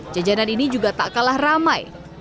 jajanan ini juga tak kalah ramai